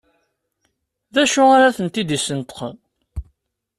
D acu ara tent-id-yesneṭqen?